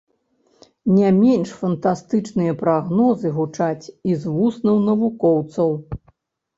Не менш фантастычныя прагнозы гучаць і з вуснаў навукоўцаў.